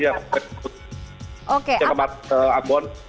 yang keempat ambon